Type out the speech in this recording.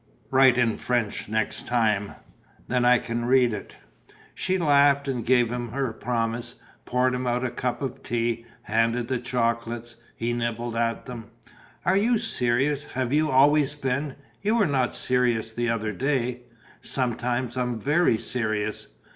"Write in French next time: then I can read it." She laughed and gave her promise, poured him out a cup of tea, handed the chocolates. He nibbled at them: "Are you so serious? Have you always been? You were not serious the other day." "Sometimes I am very serious."